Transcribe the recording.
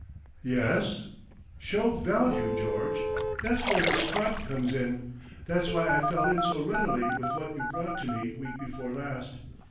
"Yes?" "Show value, George. That's where this quap comes in; that's why I fell in so readily with what you brought to me week before last.